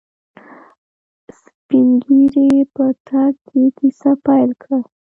سپينږيري په تګ کې کيسه پيل کړه.